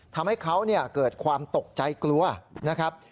ทำให้เขาเกิดความตกใจกลัวนะครับ